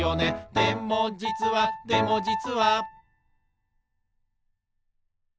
「でもじつはでもじつは」